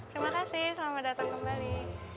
terima kasih selamat datang kembali